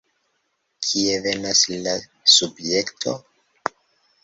Kie venas la subjekto?